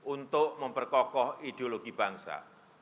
untuk memperkokoh ideologi bangsa